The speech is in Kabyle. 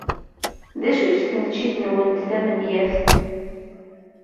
D acu-tt tneččit-nwent tamenyaft?